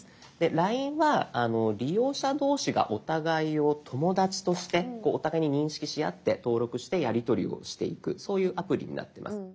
「ＬＩＮＥ」は利用者同士がお互いを「友だち」としてお互いに認識し合って登録してやりとりをしていくそういうアプリになってます。